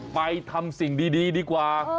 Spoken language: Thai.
ไปทำสิ่งดีดีกว่า